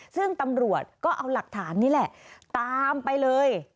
ซึ่งตำรวจก็เอาหลักฐานนี่แหละตามไปเลย